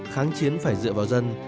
kháng chiến phải dựa vào dân